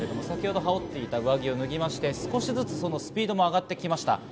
先ほど羽織っていた上着を脱いで、少しずつスピードも上がってきました。